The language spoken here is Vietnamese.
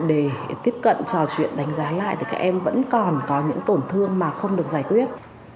để tiếp cận trò chuyện đánh giá lại thì các em vẫn còn có những tổn thương mà không được giải quyết